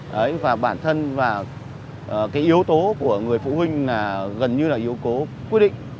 đấy và bản thân và cái yếu tố của người phụ huynh là gần như là yếu tố quyết định